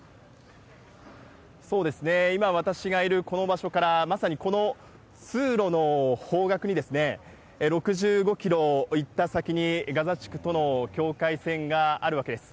そうですね、今、私がいるこの場所から、まさにこの通路の方角に、６５キロ行った先に、ガザ地区との境界線があるわけです。